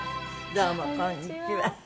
どうもこんにちは。